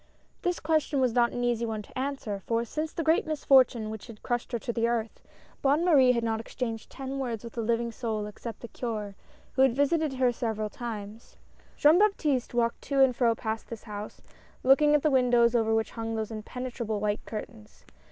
This question was not an easy one to answer, for since the great misfortune which had crushed her to the earth, Bonne Marie had not exchanged ten words with a living soul except the Curd, who had visited her several times. Jean Baptiste walked to and fro past this house, looking at the windows over which hung those impene trable white curtains.